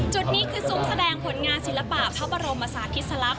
จุดนี้คือซุ้มแสดงผลงานศิลปะพระบรมศาสติสลักษ